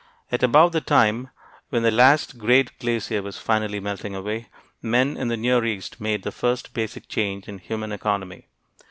At about the time when the last great glacier was finally melting away, men in the Near East made the first basic change in human economy.